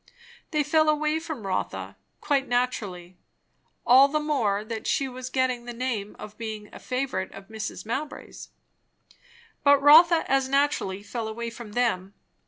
They fell away from Rotha, quite naturally; all the more that she was getting the name of being a favourite of Mrs. Mowbray's. But Rotha as naturally fell away from them.